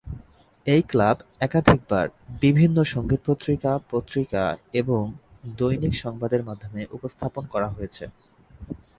এই "ক্লাব" একাধিকবার বিভিন্ন সঙ্গীত পত্রিকা, পত্রিকা এবং দৈনিক সংবাদের মাধ্যমে উপস্থাপন করা হয়েছে।